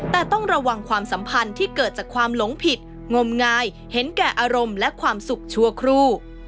แต่ต้องระวังความสัมพันธ์ที่เกิดจากความหลงผิดงมงายเห็นแก่อารมณ์และความสุขชั่วครู่